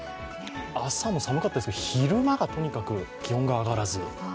朝も寒かったですが、昼間がとにかく気温が上がらず。